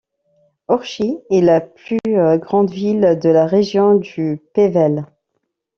Orchies est la plus grande ville de la région du Pévèle.